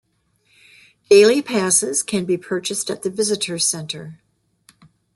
Daily passes can be purchased at the visitors center.